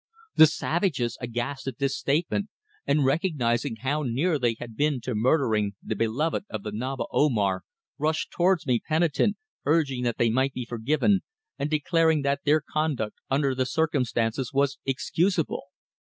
The savages, aghast at this statement, and recognizing how near they had been to murdering the beloved of the Naba Omar, rushed towards me penitent, urging that they might be forgiven, and declaring that their conduct, under the circumstances, was excusable.